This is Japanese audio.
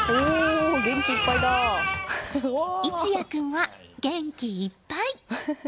壱柳君は元気いっぱい！